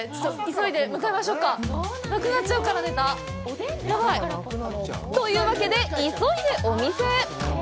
急いで向かいましょうか。というわけで、急いでお店へ。